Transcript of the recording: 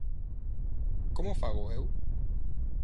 Como fago eu?